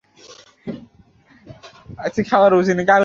যার ফলে ঘূর্ণিঝড় কুরাইশদের ন্যায় তাদের পর্যদুস্ত করে না।